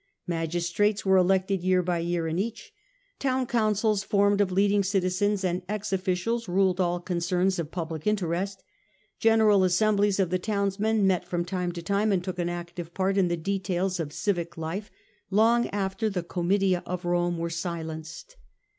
Magistrates were elected year by year in each ; town councils formed of leading citizens and ex officials ruled all concerns ol public interest ; general assemblies of the townsmen met from time to time, and took an active part in the details of civic life, long after the comitia of Rome were silenced.